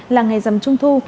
là ngày dầm trung thu